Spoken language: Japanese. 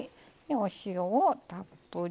お塩をたっぷり。